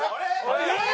えっ！